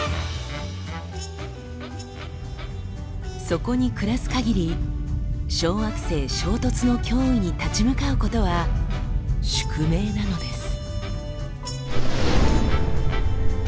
そこに暮らすかぎり小惑星衝突の脅威に立ち向かうことは宿命なのです。